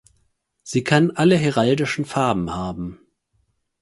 Sie kann alle heraldische Farben haben.